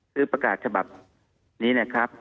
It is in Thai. คือประกาศฉบับนี้นะครับ